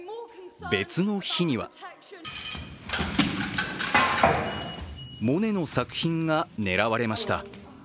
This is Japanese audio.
別の日にはモネの作品が狙われました。